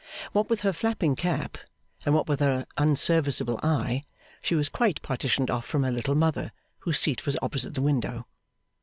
What with her flapping cap, and what with her unserviceable eye, she was quite partitioned off from her Little Mother, whose seat was opposite the window.